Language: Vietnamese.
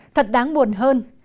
thật đáng buồn hỏi